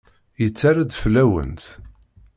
Yetter-d fell-awent.